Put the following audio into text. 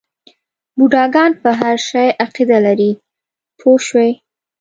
بوډاګان په هر شي عقیده لري پوه شوې!.